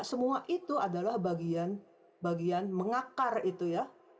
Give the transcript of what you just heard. semua itu adalah bagian mengakar itu ya